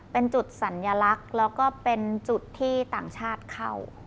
เป็นจุดสัญลักษณ์แล้วก็เป็นจุดที่ต่างชาติเข้า